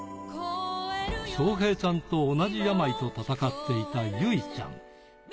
翔平ちゃんと同じ病と闘っていた、ゆいちゃん。